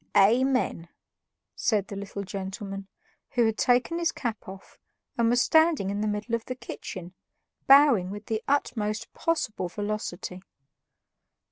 "Amen," said the little gentleman, who had taken his cap off and was standing in the middle of the kitchen, bowing with the utmost possible velocity.